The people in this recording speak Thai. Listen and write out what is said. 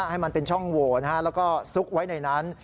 ให้มันเป็นช่องโหวแล้วก็ซุกไว้ในนั้น